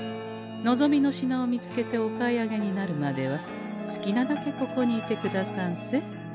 望みの品を見つけてお買い上げになるまでは好きなだけここにいてくださんせ。